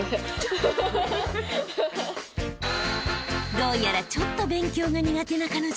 ［どうやらちょっと勉強が苦手な彼女］